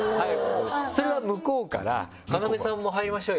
それは向こうから「要さんも入りましょうよ」